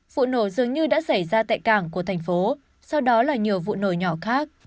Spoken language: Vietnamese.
vụ nổ dường như đã xảy ra tại cảng của thành phố sau đó là nhiều vụ nổ nhỏ khác